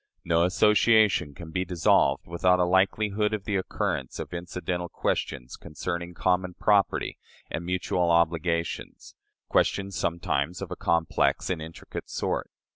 No association can be dissolved without a likelihood of the occurrence of incidental questions concerning common property and mutual obligations questions sometimes of a complex and intricate sort.